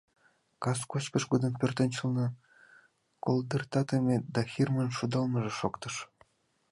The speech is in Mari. Кас кочкыш годым пӧртӧнчылнӧ колдыртатыме да Хирмын шудалмыже шоктыш.